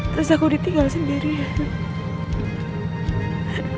terus aku ditinggal sendirian